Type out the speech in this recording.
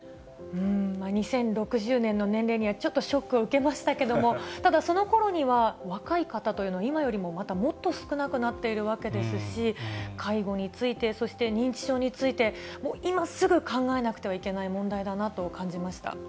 ２０６０年の年齢には、ちょっとショックを受けましたけれども、ただ、そのころには、若い方というのは、今よりもまたもっと少なくなっているわけですし、介護について、そして認知症について、今すぐ考えなくてはいけない問題だなと感じました。